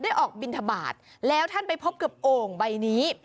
ออกบินทบาทแล้วท่านไปพบกับโอ่งใบนี้